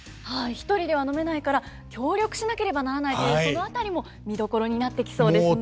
１人では飲めないから協力しなければならないというその辺りも見どころになってきそうですね。